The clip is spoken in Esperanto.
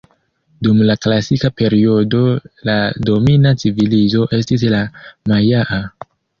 Dum la Klasika periodo la domina civilizo estis la Majaa.